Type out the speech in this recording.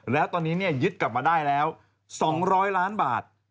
แล้วตอนนี้ยึดกลับมาได้แล้ว๒๐๐ล้านบาท